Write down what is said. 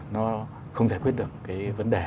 nó không giải quyết được cái vấn đề